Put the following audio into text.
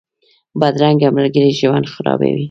بدرنګه ملګري ژوند خرابوي